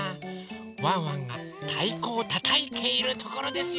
ワンワンがたいこをたたいているところですよ。